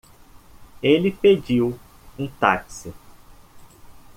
Ele pediu um táxi